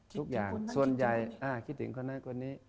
คิดถึงคนนั้นคิดถึงคนนี้คิดถึงคนนั้นคนนี้